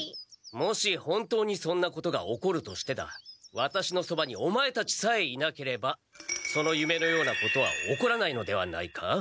もし本当にそんなことが起こるとしてだワタシのそばにオマエたちさえいなければその夢のようなことは起こらないのではないか？